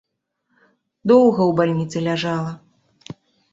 Доўга ў бальніцы ляжала.